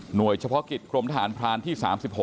หน่วยเฉพาะกิจกรมฐานพรานที่๓๖